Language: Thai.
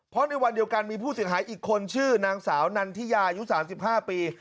เพราะในวันเดียวกันมีผู้เสียหายอีกคนชื่อนางสาวนันทิยายุ๓๕ปี